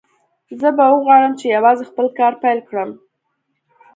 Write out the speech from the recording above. زه به وغواړم چې یوازې خپل کار پیل کړم